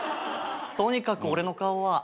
とにかく俺の顔は。